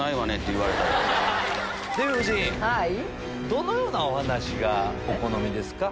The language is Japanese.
どのようなお話がお好みですか？